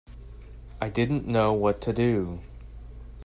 I didn't know what to do.